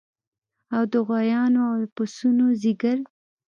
او د غوایانو او پسونو ځیګر